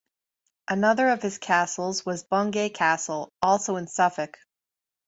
Another of his castles was Bungay Castle, also in Suffolk.